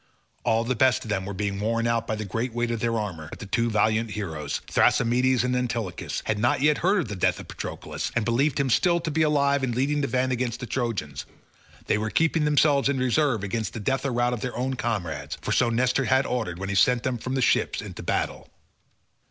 All the best of them were being worn out by the great weight of their armour, but the two valiant heroes, Thrasymedes and Antilochus, had not yet heard of the death of Patroclus, and believed him to be still alive and leading the van against the Trojans; they were keeping themselves in reserve against the death or rout of their own comrades, for so Nestor had ordered when he sent them from the ships into battle.